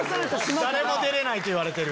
誰も出れないと言われてる。